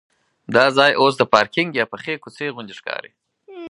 دا ځای اوس د پارکینک یا پخې کوڅې غوندې ښکاري.